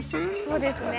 そうですね。